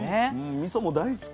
みそも大好き。